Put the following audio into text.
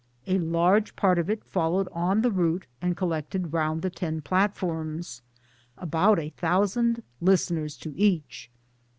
A large part of it followed on the route and collected round the ten platforms about a thousand listeners to each.